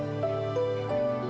ya tuhan kami berdoa